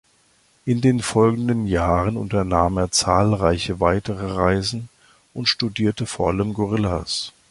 In den folgenden Jahren unternahm er zahlreiche weitere Reisen und studierte vor allem Gorillas.